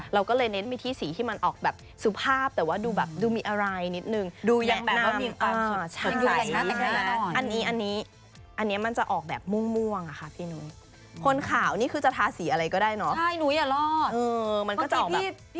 เราก็เลยเน็ตไปที่สีที่มันออกแบบสุภาพแต่ว่าดูแบบดูมีอะไรนิดนึง